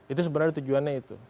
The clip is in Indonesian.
itu sebenarnya tujuannya itu